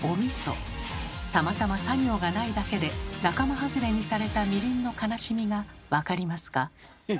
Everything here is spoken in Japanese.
たまたまさ行がないだけで仲間外れにされたみりんの悲しみが分かりますか？